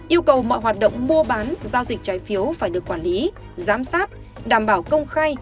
yêu cầu mọi hoạt động mua bán giao dịch trái phiếu phải được quản lý giám sát đảm bảo công khai